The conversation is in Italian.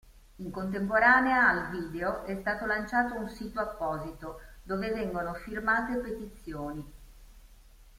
In contemporanea al video è stato lanciato un sito apposito, dove vengono firmate petizioni.